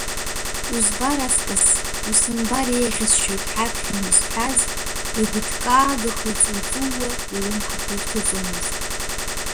Узбар аҵкыс, усымбар еиӷьасшьоит ҳәа аԥхьан изҳәаз, игәыҭкаагаха, иҵуҵууа илымҳақәа ирҭыҵуамызт.